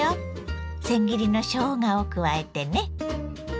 せん切りのしょうがを加えてね。